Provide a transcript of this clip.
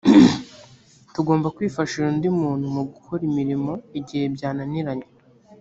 tugomba kwifashisha undi muntu mu gukora imirimo igihe byananiranye.